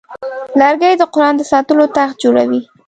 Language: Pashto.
لرګی د قرآن د ساتلو تخت جوړوي.